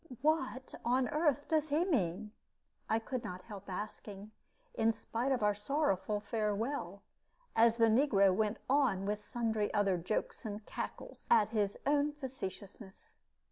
"What on earth does he mean?" I could not help asking, in spite of our sorrowful farewell, as the negro went on with sundry other jokes and cackles at his own facetiousness.